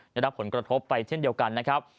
ได้รับผลกระทบไปเช่นเดียวกันนะครับ